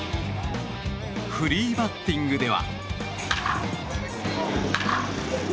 フリーバッティングでは。